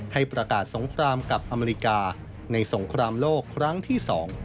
ให้ประกาศสงครามกับอเมริกาในสงครามโลกครั้งที่๒